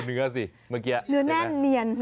ดูเนื้อสิเมื่อกี้